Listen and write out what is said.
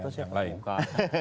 itu csis satu siapa bukan